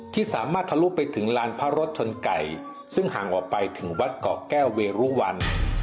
ที่สามารถทะลุไปถึงลานพระรถชนไก่ซึ่งห่างออกไปถึงวัดเกาะแก้วเวรุวัน